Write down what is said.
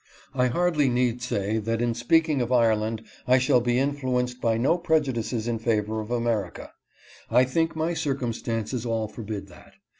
f\ hardly need say that in speaking of Ireland I shall be influenced by no prejudices in favor of America. I think my circumstances all forbid that.